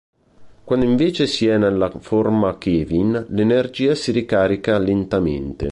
Quando invece si è nella forma Kevin, l'energia si ricarica lentamente.